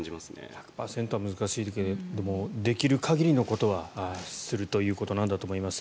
１００％は難しいですけれどもでも、できる限りのことはするということなんだと思います。